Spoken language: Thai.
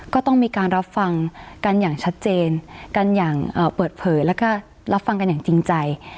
ก็ต้องมีการรับฟังกันอย่างชัดเจนกันอย่างเปิดเผยแล้วก็รับฟังกันอย่างจริงใจ